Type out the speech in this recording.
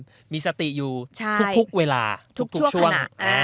ชื่อว่ามีสติอยู่ทุกเวลาทุกช่วง